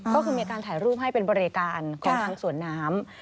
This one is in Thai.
ก็คือมีการถ่ายรูปให้เป็นบริการของทางสวนน้ำ